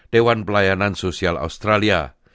dewan pelayanan sosial australia